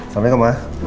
sampai jumpa ma